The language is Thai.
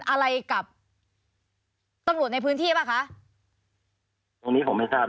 อะไรกับตำรวจในพื้นที่ป่ะคะตรงนี้ผมไม่ทราบ